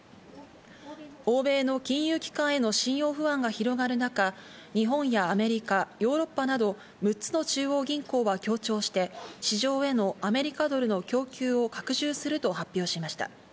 欧米の金融機関への信用不安が広がる中、日本やアメリカ、ヨーロッパなど６つの中央銀行は協調して市場へのアメリカドルの供給を拡充すると発表しました。